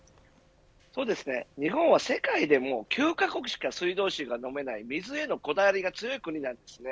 そうですね、日本は世界でも９カ国しか水道水が飲めない水へのこだわりが強い国なんですね。